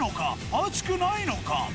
熱くないのか？